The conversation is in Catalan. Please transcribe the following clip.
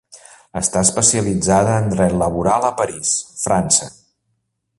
Està especialitzada en Dret Laboral a París, França.